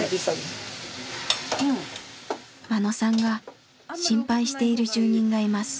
眞野さんが心配している住人がいます。